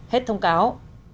hết thông cáo